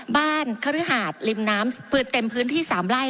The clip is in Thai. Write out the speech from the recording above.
บ้านคฤหาสลิมน้ำปืนเต็มพื้นที่สามไล่